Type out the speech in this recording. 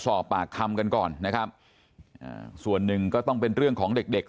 สอบปากคำกันก่อนนะครับอ่าส่วนหนึ่งก็ต้องเป็นเรื่องของเด็กเด็ก